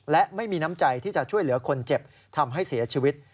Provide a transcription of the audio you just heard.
และไม่มีน้ำใจที่จะช่วยเหลือคนเจ็บทำให้เสียชีวิต